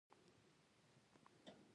ایا ستاسو غمونه به پای ته ورسیږي؟